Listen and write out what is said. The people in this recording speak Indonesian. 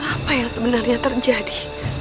apa yang sebenarnya terjadi